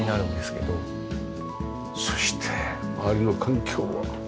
そして周りの環境は。